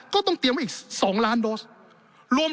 ก็ต้องเตรียมไว้อีก๒ล้านโดส